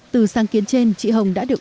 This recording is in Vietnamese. từ sáng kiến trên chị hồng đã được